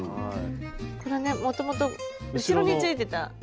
これねもともと後ろについてたやつを。